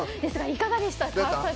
いかがでしたか？